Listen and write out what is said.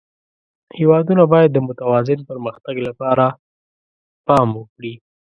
هېوادونه باید د متوازن پرمختګ لپاره پام وکړي.